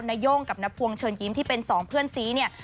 นาย่งกับนภวงเชิญยิ้มที่เป็นสองเพื่อนซีเนี่ย